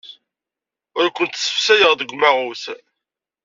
Ur kent-ssefsayeɣ deg umaɣus.